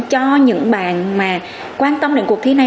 cho những bạn mà quan tâm đến cuộc thi này